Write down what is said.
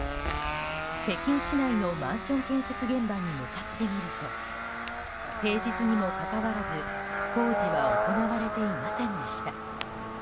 北京市内のマンション建設現場に向かってみると平日にもかかわらず工事は行われていませんでした。